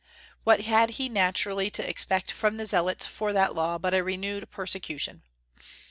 What had he naturally to expect from the zealots for that Law but a renewed persecution?